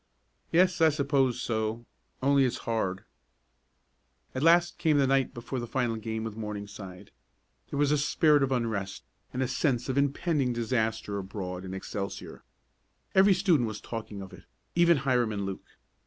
"Yes, I suppose so only it's hard." At last came the night before the final game with Morningside. There was a spirit of unrest and a sense of impending disaster abroad in Excelsior. Every student was talking of it, even Hiram and Luke.